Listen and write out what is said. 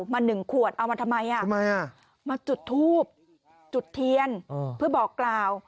มา๑ขวดเอามาทำไมมาจุดทูบจุดเทียนเพื่อบอกกล่าว